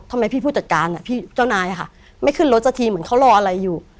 ทำไมพี่ผู้จัดการอ่ะพี่เจ้านายค่ะไม่ขึ้นรถสักทีเหมือนเขารออะไรอยู่